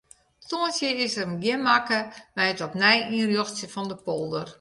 Tongersdei is in begjin makke mei it opnij ynrjochtsjen fan de polder.